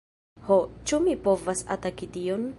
Ho, ĉu mi povas ataki tion?